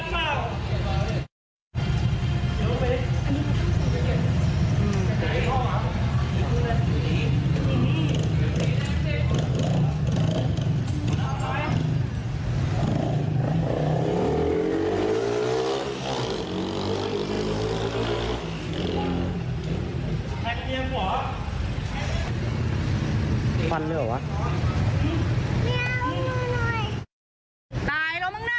ตายทำร้ายนี้